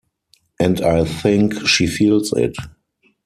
And I think she feels it.